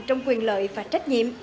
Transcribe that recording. trong quyền lợi và trách nhiệm